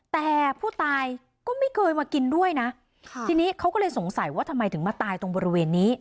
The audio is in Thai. แต่ผู้ตายก็ไม่เคยมากินด้วยนะทีนี้เขาก็เลยสงสัยว่าทำไมถึงมาตายตรงบริเวณนี้